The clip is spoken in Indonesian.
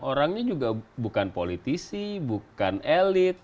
orangnya juga bukan politisi bukan elit